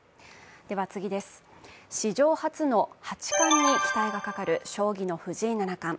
史上初の八冠に期待がかかる将棋の藤井七冠。